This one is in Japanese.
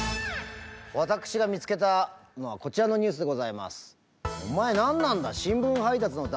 私が見つけたのはこちらのニュースでございます。